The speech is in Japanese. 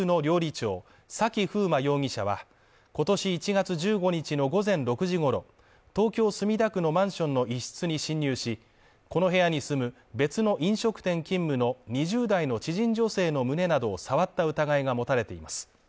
長崎楓真容疑者は今年１月１５日の午前６時ごろ、東京・墨田区のマンションの一室に侵入し、この部屋に住む別の飲食店勤務の２０代の知人女性の胸などを触った疑いが持たれています。